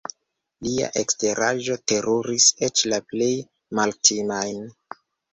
Lia eksteraĵo teruris eĉ la plej maltimajn.